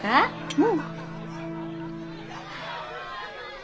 うん。